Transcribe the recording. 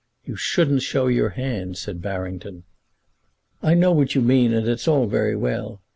"You shouldn't show your hand," said Barrington. "I know what you mean, and it's all very well.